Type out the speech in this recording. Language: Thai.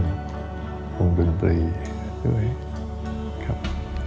คงดนตรีด้วยครับ